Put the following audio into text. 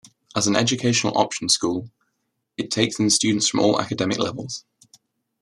As an educational option school, it takes in students from all academic levels.